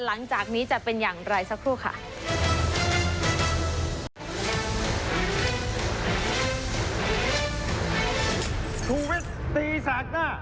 หลังจากนี้จะเป็นอย่างไรสักครู่ค่ะ